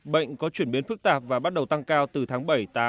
bệnh có chuyển biến phức tạp và bắt đầu tăng cao từ tháng bảy